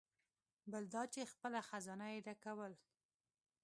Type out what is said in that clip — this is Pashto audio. بل دا چې خپله خزانه یې ډکول.